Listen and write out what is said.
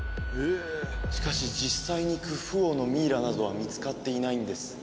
しかし実際にクフ王のミイラなどは見つかっていないんです